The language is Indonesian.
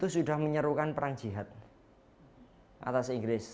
sudah menyerukan perang jihad atas inggris